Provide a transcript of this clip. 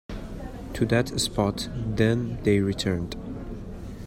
To that spot, then, they returned.